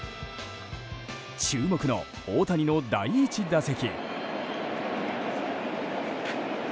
注目の大谷の第１打席。